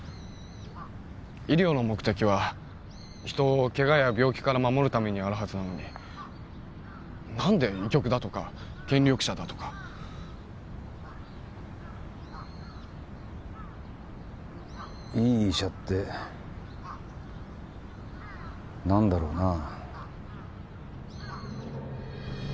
医療の目的は人をケガや病気から守るためにあるはずなのになんで医局だとか権力者だとかいい医者ってなんだろうなあ？